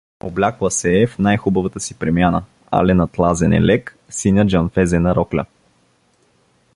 Облякла се е в най-хубавата си премяна, ален атлазен елек, синя джанфезена рокля.